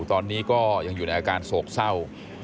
ตอนนี้ก็ยังอยู่ในอาการโศกเศร้า